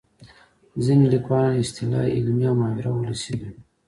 ځینې لیکوالان اصطلاح علمي او محاوره ولسي ګڼي